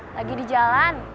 lagi di jalan